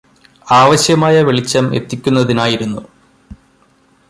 ആവശ്യമായ വെളിച്ചം എത്തിക്കുന്നതിനായിരുന്നു